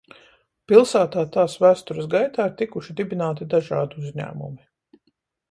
Pilsētā tās vēstures gaitā ir tikuši dibināti dažādi uzņēmumi.